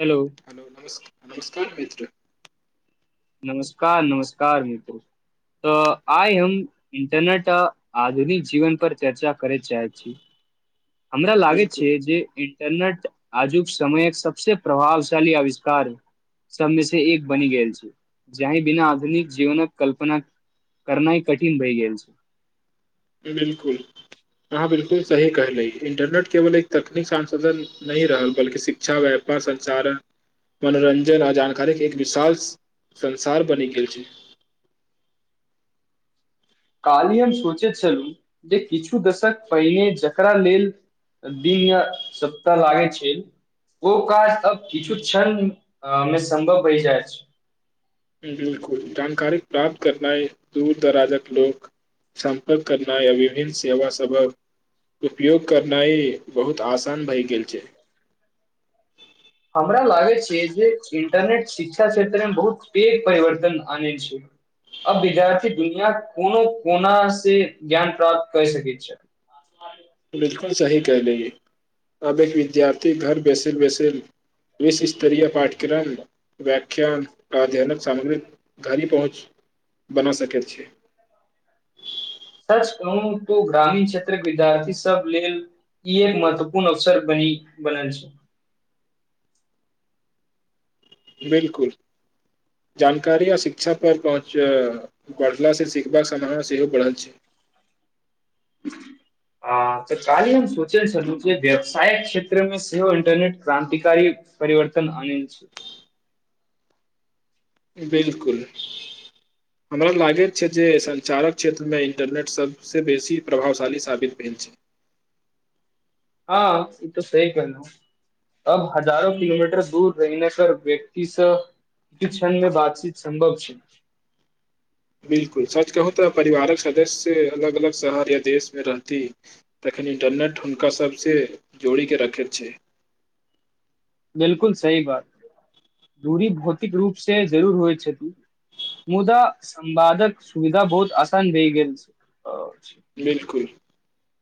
Hello हो नकार कठ नमस्कार नमस्कार मित्र तऽ आइ हम इंटरनेट आ आधुनिक जीवन पर चर्चा करय चाहैत छी। हमरा लागे बिल्कुल छै जे न्नट आजुक समयक सबस प्रभावशाली अविष्कार सबमे से एक बनि गेल छै। जी बिना आधुनिक जीवनक कल्पना करनाइ कठिन भइ गेलल छै। बिलकुल अहाँ बिलकुल सही कह ली इन्टरनेट केवल एक तकनीक सासाधन नहि रहल बल्कि शिक्षा व्यापार संसारन मनोरञ्जन आ जानकारीक एक विशाल संसार बनि गेल छै। काल्हि हम सोचैत छलहुँ जे किछु दशक पहिने जकरा लेल दिन या सप्ताह लागै छै ओ काज अब किछु क्षण मे सम्भव बहि जाइत छै। बिलकुल जानकारी प्राप्त करनाइ दूर दराजक लोक सम्पर्क करनाइ आ विभिन्न सेवा सभक उपयोग करनाइ बहुत आसान भए गेल छै। हमरा लागे छै जे इन्टरनेट शिक्षा क्षेत्रमे बहुत पेघ परिवर्तन आने छै। आ बीजा छी दुनिया कोनो कोना से ज्ञान प्राप्त कै सक छै। बिलकुल सी क लए अब एक विद्यार्थी घर बैसल बैसल विश्व स्तरीय पाठ्यक्रम व्यख्यान अध्ययन सामग्री घर पहुँच बना सक छै। सच कहू त ग्रामीण क्षेत्र विद्यार्थी सब लेल ई एक महत्वपूर्ण अवसर बनी बनेल छै बिलकुल जानकारी आ शिक्षा पर पहुँच बढ़ला से सिखबाक समावना सेहो बढ़ल छै। ह तऽ कालहि हम सोच छलहुँ जे व्यवसायक क्षेत्रमे सेहो इंटरनेट क्रान्तिकारी परिवर्तन आनल छै। बिलकुल हमरा लागैत छै जे सञ्चारक क्षेत्रमे इंटरनेट सभसँ बेसी प्रभावशाली साबित भेल छै। हँ ई तो सी कहल अब हजारो किलोमीटर दूर रहहिने पर व्यक्तिसँ क्षण मे बातचीत सम्भव छै। बिलकुल सच कहू तऽ परिवारक सदस्य अलग अलग शहर या देशमे रहती तखन इन्टरनेट हुनका सभसँ जोड़ि के रखैत छै। बिलकुल सही बात दूरी भौतिक रूप से जरूर होइ छथि मुदा संवादक सुविधा बहुत आसान भए गेल छै। अछि बिलकुल।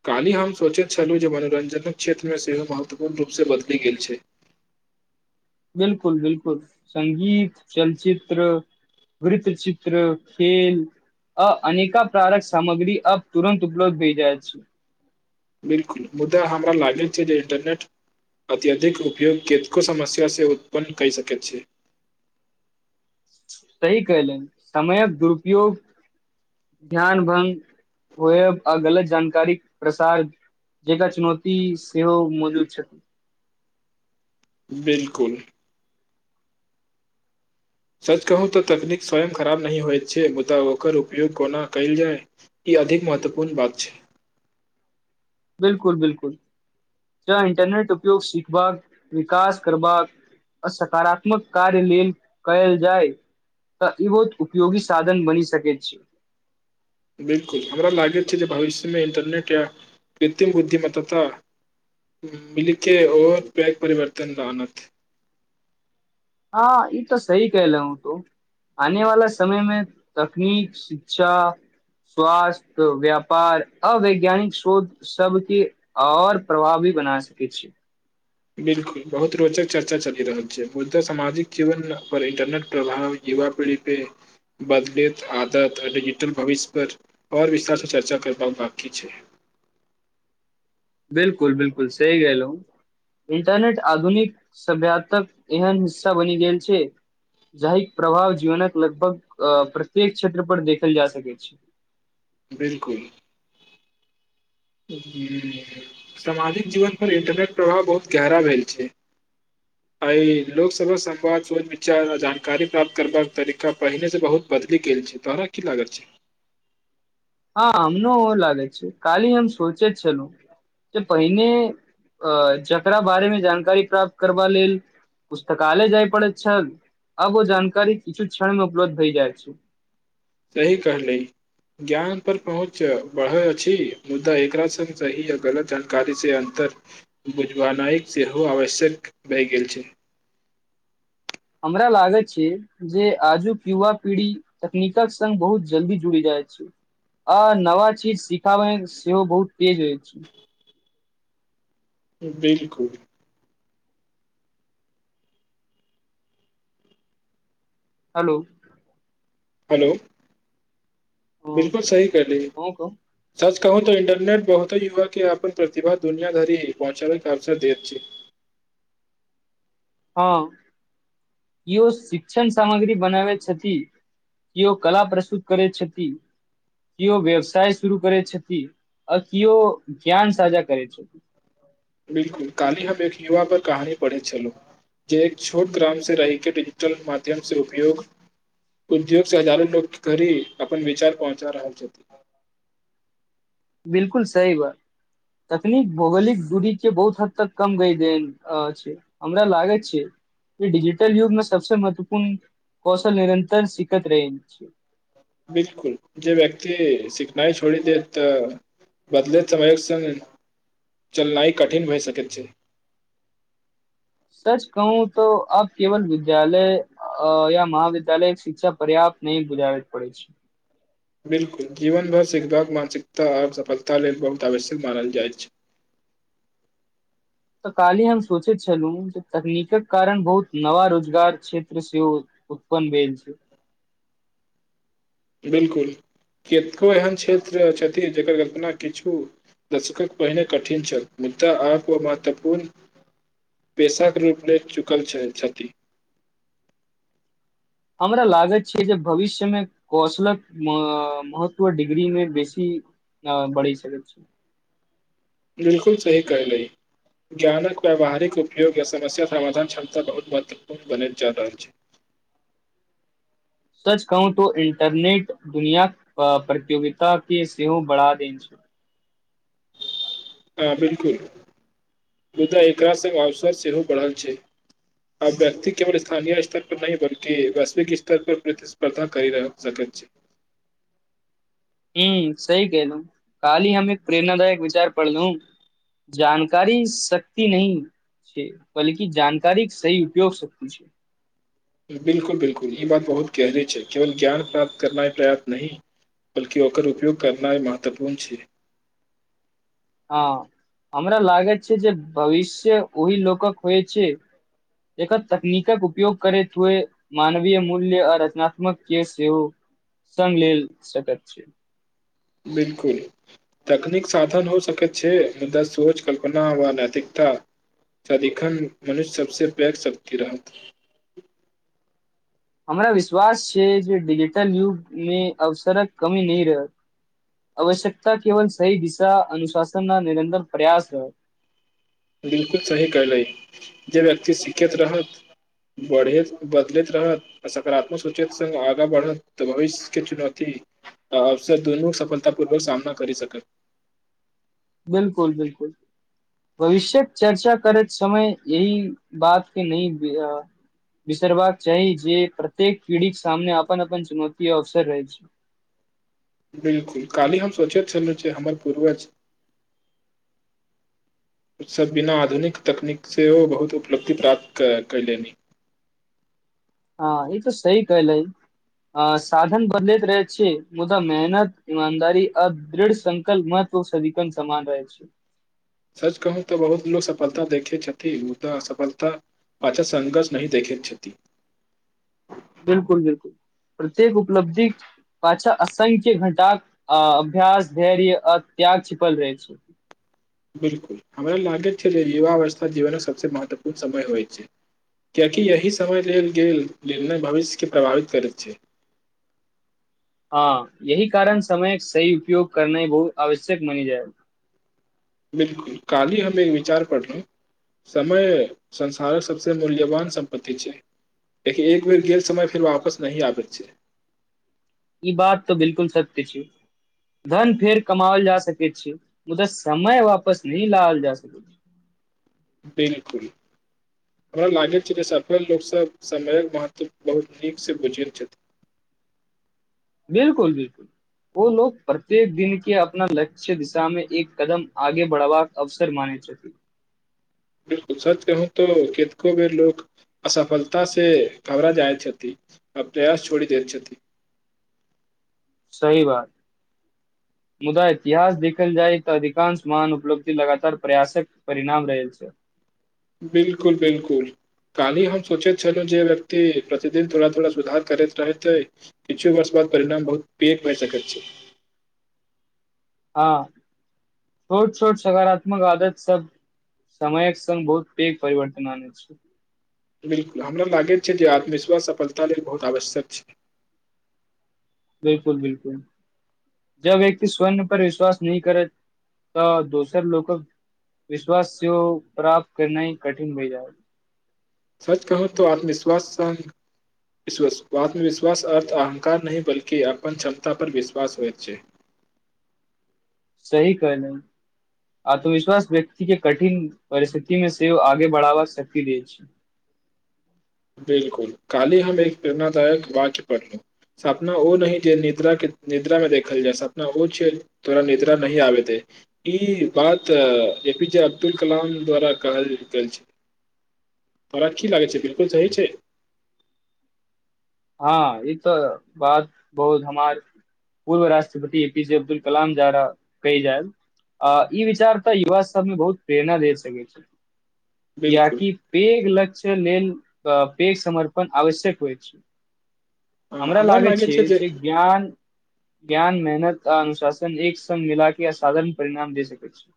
क्हि हम सोचैत छलहुँ जे मनोरञ्जनक क्षेत्रमे सेहो महत्वपूर्ण रूपसँ बदलि गेल छै। बिलकुल बिलकुल सगीत चलचित्र वृत चित्र खेल आ अनेका प्रारक सामग्री आ तुरन्त उपलब्ध होइ जाय छै। बिलकुल मुद्दा हमरा लागैत छै जे इन्टरनेट अत्यधिक उपयोग कतको समस्या से उत्पन्न कहि सकैत छै। सही कयलनि समयक दुरुपयोग ध्यान भग होयब आ गलत जानकारी प्रसार जकर चुनौती सेहो मौजूद छथिन बिलकुल। सच कहू तऽ तकनीक स्वयं खराब नहिही होइत छै मुदा ओकर उपयोग कोना कयल जाय ई अधिक महत्वपूर्ण बात छै। बिलकुल बिलकुल जँ इंटरनेट उपयोग सिखबाक विकास करबाक आ सकारात्मक कार्य लेल कयल जाय तऽ ई बहुत उपयोगी साधन बनि सकैत छै। बिलकुल हमरा लागैत छै जे भविष्यमे इंटरनेट या कृत्रिम बुद्धिमता मिलके और पै परिवर्तन रनत हँ ई तऽ सही कहले तो आने वाला समय मे तकनीक शिक्षा स्वास्थ व्यापार अवैज्ञानिक शोध सबके और प्रभावी बना सकै छी। बिलकुल बहुत रोचक चर्चा चलि रहल छै मुदा सामाजिक जीवन पर इंटरनेट प्रभाव युवा पीढ़ी पे बदलैत आदत आ डिजिटल भविष्य पर आओर विस्तारसँ चर्चा करबाक बकी छै। बिलकुल बिलकुल सहिी गेलँ इंटरनेट आधुनिक सभ्यातक एहन हिस्सा बनि गेल छै जाहि प्रभाव जीवनक लगभग प्रत्येक क्षेत्र पर देखल जा सकै छै। बिलकुल। सामाजिक जीवनपर इंटरनेट प्रभाव बहुत गहरा भेल छै एहि लोकसभक संवाद सोच विचार आ जानकारी प्राप्त करबाक तरीका पहिनेसँ बहुत बदलि गेल छै तोरा की लागल छै। हँ हमनो ओ लागै छै काली हम सोचे छलहु जे पहिने अ जकरा बारे मे जानकारी प्राप्त करबा लेल पुस्तकालय जाय पड़ैत छल आब ओ जानकारी किछु क्षण मे उपलब्ध भय जाइत छै। सही कहली ज्ञान पर पहुँच बढ़ल अछि मुद्दा एकरा सङ्ग सही आ गलत जानकारी से अन्तर बुझवानइ सेहो आवश्यक भहि गेल छै। हमरा लागैत छै जे आजुक युवा पीढ़ी तकनीकक संगङ्ग बहुत जल्दी जुड़ि जाइत छै आ नवा चीज सिखाबयमे सेहो बहुत तेज होइ छै। बिलकुल। हेलो। हेलो। हँ बिलकुल सही करली कहू कहू। सच कहू तऽ इंटरनेट बहुते युवा के यहप पर प्रतिभा दुनिया धरि पहुँचे के अवसर देैत छै। हँ केओ शिक्षण सामग्री बनाबै छथि केओ कला प्रस्तुत करै छथि केओ व्यवसाय शुरू करै छथि आ किओ ज्ञान साझा करै छथि। बिलकुल काली हम एक युवा पर कहानी पढ़ैत छलहुँ जे एक छोट ग्राम से रहिके डिजिटल माध्यम से उपयोग उद्योग से हजारू लोक घी अपन विचार पहुँचा रहल छथिन। बिलकुल सही बात तकनीक भौगोलिक दूरी के बहुत हद तक कम गय दे छै हमरा लागैत छै जे डिजिटल युगमे सबसे महत्वपूर्ण कौशल निरन्तर सखैत रह छै। बिलकुल जे व्यक्त सिखनाइ छोड़ दे तऽ बदल समयक स चलनाइ कठिन होइ सक छै। सच कहू त आ केवल विद्यालय या महाविद्यालय शिक्षा पर्याप्त नह बुझाबैके पड़े छै। बिलकुल जीवन भर सिखबाक मानसिकता आओर सफलता लेल बहुत आवश्यक मानल जाइत छै। तऽ काल्हि हम सोचैत छलहुँ जे तकनीकक कारण बहुत नवा रोजगार क्षेत्र सेहो उत्पन्न भेल छै। बिलकुल कतको एहन क्षेत्र छथिन जकर कल्पना किछु दशकक पहिने कठिन छल मुद्दा आप ओ महत्वपूर्ण पेशाक रूप ल चुकल छथि। हमरा लागैत छै जे भविष्यमे कौशलक महत्व डिग्रीमे बेसी बढ़ि सकैत छै। बिलकुल सही कहल ज्ञानक व्यावहारिक उपयोग या समस्या समाधान क्षमता बहुत महत्वपूर्ण बनल जा रहल छै। सच कहू तो इंटरनेट दुनिया प्रतियोगित के सेहो बढ़ा दे छै। ह बिलकुल बधा एकरा स अवसर सेहो बढ़ल छै आब व्यक्ति केवल स्थानीय स्तर पर नहि बल्ि वैश्विक स्तर पर प्रतिस्पर्धा कर रहल सकैत छै। ह सी कहलहु काली हम एक प्रेरणदायक विचार पढ़लहु जानकारी शक्त नह छै बल्कि जानकारी सी उपोग शक्त छै बिलकुल बिलकुल ई बात बहुत गहरी छै केवल ज्ञान प्राप्त करनाइ पर्याप्त नहि बल्ि ओकर उपयोग करनाइ महत्वपूर्ण छै हँ हमरा लागैत छै जे भविष्य ओहि लोकक होइ छै एकन तकनीकक उपयोग करैत हुए मानवीय मूल्य आ रचनात्मक के सेहो सङग लेल सकैत छै बिलकुल तकनीक साधन हो सकैत छै मुदा सोच कल्पना व नैतिकता स लिखन मनुष्य सबस पैक शक्ति रहत हमरा विश्वास छै जे िजिटल युगमे अवसरक कमी नह रहै आवश्यकता केवल सी दिशा अनुशासन न निरतर प्रयास रहै बिलकुल सही कयल जे व्यक्ति सिखैत रहत बढ़ैत बदलैत रहत आ सकारात्मक सोच सङग आगा बढ़त तऽ भविष्यके चुनौती आ अवसर दुनू सफलता पूर्वक सामना करि सक बिलकुल बिलकुल भविष्य्यक चर्चा करैत समय यही बात के नहि बिसरबाक चाही जे प्रत्येक पीढ़ीके सामने अपन अपन चुनौत अवसर रहैत छै बिलकुल काली हम सोचैत छल छ हमर पूर्वज उत्स बिना आधुनिक तकनीक से ओ बहुत उपलब्धि प्राप्त कयलेनि हँ ई त सी कलै साधन बदलैत रहै छै मुदा मेहनत इमानदार आ दृढ़ संकल्प महत्व सिक सन रह छै। सच कहू तऽ बहुत लोक सफलता देखैत छथिन मुदा असफलता पाचक संघर्ष नहि देखैत छथि। बिलकुल बिलकुल प्रत्येक उपलब्धि पछा असंख्य घटाक अभ्यस धैर्य त्याग छिपल रहै छै। बिलकुल हमरा लागैत छै जे युवााववस्था जीवनक सभसँ महत्वपूर्ण समय होइत छै किियकि यही समय लेल गेल निर्णय भविष्यके प्रभावित करैत छै हँ यही कारण समयक सही उपयोग करना बहुत आवश्यक मान जाय काली हम एक विचार पढ़लहु समय संसारक सबसे मूल्यवान सम्पत्तति छै लि एक बेर गेल समय फेर वापस नहिही आबैत छै ई बात तऽ बिलकुल सत्य छै धन फेर कमाओल जा सकैत छै मुदा समय वापस नहि लायल जा सकैत छै बिलकुल हमरा लागैत छै जे सफल लोकसभ समयक महत्व बहुत नीकसँ बुझित छथि बिलकुल बिलकुल ओो लोग प्रत्येक दिन के अपना लक्ष्य दिशामे एक कदम आगे बढ़बाक अवसर माने छथि बिलकुल सच कहू त केतको बेर लोक असफलता से घबरा जाइत छथि आ प्रयास छोड़ी देैत छथि सही बात मुदा इतिहास देखखल जाइ तऽ अधिकांश मान उपलब्धि लगातार प्रयासक परिणाम रह छै बिलकुल बिलकुल कानी हम सोचैत छलहुँ जे व्यक्ति प्रतिदिन थोड़ा थोड़ा सुधार करैत रहैतइ किछु वर्ष बाद परिणाम बहुत पघ भए सकैत छै हँ छोट छोट सकारात्मक आदत सब समयक संगङग बहुत पैघ परिवर्तन आने छै बिलकुल हमरा लागैत छै जे आत्मविश्वास सफलता लेल बहुत आवश्यक छै बिलकुल बिलकुल जब व्यक्ति स्वर्ण पर विश्वास नहि करै तऽ दोसर लोकक विश्वास सेहो प्राप्त करना ही कठिन भए जाए सच कहू त आत्मविश्वास आत्मविश्वास अर्थ अहंकार नहि बल्कि अपन क्षमता पर विश्वास होइत छै सही कहल आत्मविश्वास व्यक्ति के कठिन परिस्थिति मे सेहो आगे बढ़ावा शक्ति द छै बिलकुल कालहि हम एक प्रेरणादायक वाक्य पढ़लहु सपना ओ न जे निद्र के निद्रा मे देखल जाय सपना ओ छै तोरा निद्रा नहिह आबेते ई बात ए पीजे अब्दुल कलाम द्वारा कहल गेल छै तोरा की लागै छै बिलकु कि कहय छै हँ ई तऽ बात बहुत हमार पूर्व राष्ट्रपति ए पीजे अब्दुल कलाम द्वारा कहि जाय आ ई विचार तऽ युवा सभमे बहुत प्रेरणा दे सकैत छै या बिल्कुल कि वेघ लक्ष्य लेल पेघ समर्पण आवश्यक होइ छै हमरा लागै छै जे ज्ञान ज्ञान मेहनत आ अनुशासन एक सग मिल क असाधारण परिणाम दे सकै छै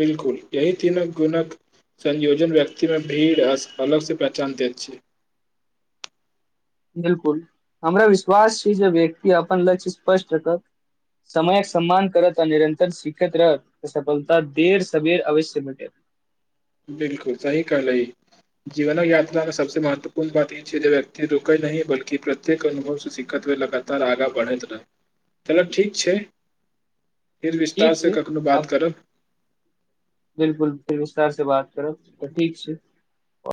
बिलकुल यी तीन गुणक संयोजन व्यक्तिमे भीड़ अलग से पहचान दैत छै बिलकुल हमरा विश्वास छै जे व्यक्ति अपन लक्ष्य स्पष्ट रखत समयक सम्मान करत आ निरन्तर सिखैत रहत सफलता देर सवेर अवश्य भटे बिलकुल सही कहलह जीवनक यात्रा मे सबसे महत्वपूर्ण बात ई छै जे व्यक्ति रुकै न बल्कि प्रत्येक अनुभव से शिकखत हुए लगातार आगाँ बढ़ैत रहै चलक ठीक छै फर विस्तार ठीक से छै कखनो बात आब करब बिलकुल फ विस्तार से बात करब तऽ ठीक छै